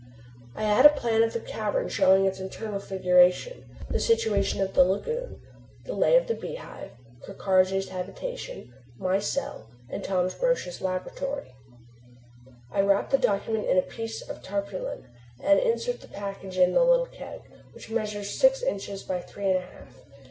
I add a plan of the cavern showing its internal configuration, the situation of the lagoon, the lay of the Beehive, Ker Karraje's habitation, my cell, and Thomas Roch's laboratory. I wrap the document in a piece of tarpaulin and insert the package in the little keg, which measures six inches by three and a half.